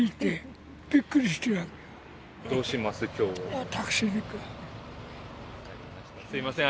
相当すいません。